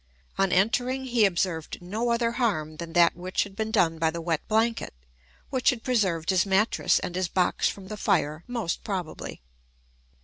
On entering, he observed no other harm than that which had been done by the wet blanket, which had preserved his mattress and his box from the fire, most probably.